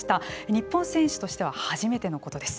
日本選手としては初めてのことです。